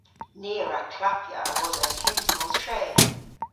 Ni a wra klappya a-wosa kyns mos tre.